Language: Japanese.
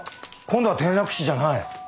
今度は転落死じゃない。